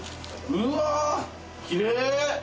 うわぁきれい！